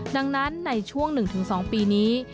ดังนั้นในช่วง๑๒ปีนี้